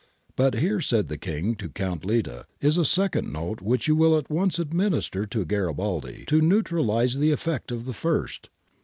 But here, said the King to Count Litta, is a second note which you will at once administer to Garibaldi 'to neutralize the effect of the first.'